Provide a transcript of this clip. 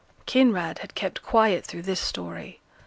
Kinraid had kept quiet through this story.